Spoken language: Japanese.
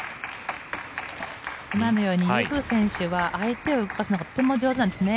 今のようにユー・フー選手は相手を動かすのがとても上手なんですね。